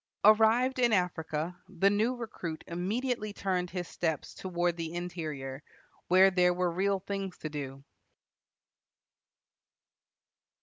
Arrived in Africa, the new recruit immediately turned his steps toward the interior, where there were real things to do.